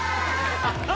ハハハハ！